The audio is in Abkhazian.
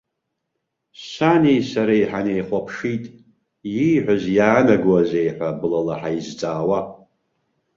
Сани сареи ҳнеихәаԥшит, ииҳәаз иаанагозеи ҳәа блала ҳаизҵаауа.